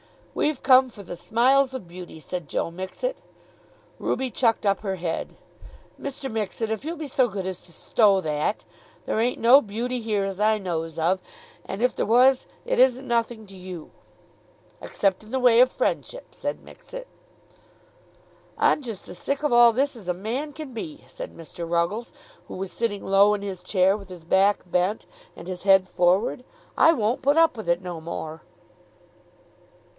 "We've come for the smiles of beauty," said Joe Mixet. Ruby chucked up her head. "Mr. Mixet, if you'll be so good as to stow that! There ain't no beauty here as I knows of, and if there was it isn't nothing to you." "Except in the way of friendship," said Mixet. "I'm just as sick of all this as a man can be," said Mr. Ruggles, who was sitting low in his chair, with his back bent, and his head forward. "I won't put up with it no more."